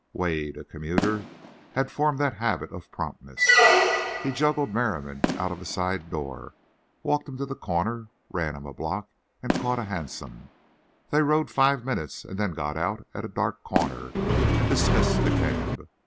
Wade, a commuter, had formed that habit of promptness. He juggled Merriam out a side door, walked him to the corner, ran him a block and caught a hansom. They rode five minutes and then got out on a dark corner and dismissed the cab.